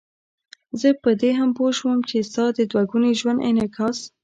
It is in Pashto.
زه په دې هم پوه شوم چې ستا د دوه ګوني ژوند انعکاس.